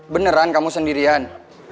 beneran kamu sendirian